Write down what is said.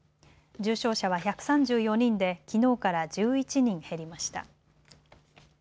重症者は１３４人できのうから１１人減りました。